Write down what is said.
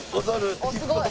あっすごい。